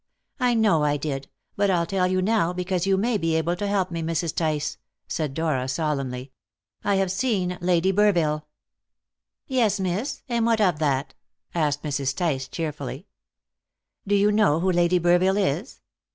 "I know I did; but I'll tell you now, because you may be able to help me. Mrs. Tice," said Dora solemnly, "I have seen Lady Burville." "Yes, miss; and what of that?" asked Mrs. Tice cheerfully. "Do you know who Lady Burville is?"